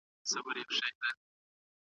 کږدۍ بې تنابه نه دریږي.